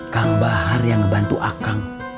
kang bahar yang ngebantu akang